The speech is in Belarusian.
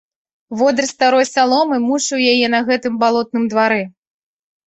Водыр старой саломы мучыў яе на гэтым балотным двары.